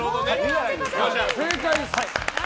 正解です。